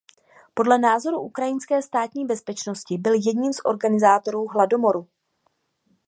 Podle názoru Ukrajinské státní bezpečnosti byl jedním z organizátorů hladomoru.